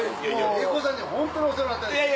英孝さんにはホントにお世話になって。